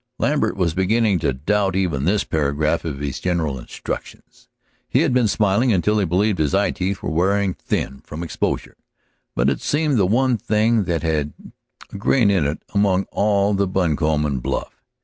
Lambert was beginning to doubt even this paragraph of his general instructions. He had been smiling until he believed his eye teeth were wearing thin from exposure, but it seemed the one thing that had a grain in it among all the buncombe and bluff.